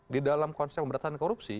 di dalam konsep pemberantasan korupsi